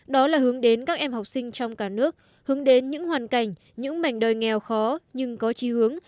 đó là hướng đến các em học sinh trong cả nước hướng đến những hoàn cảnh những mảnh đời nghèo khó nhưng có trí hướng